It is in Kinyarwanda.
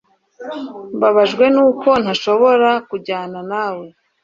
Mbabajwe nuko ntashobora kujyana nawe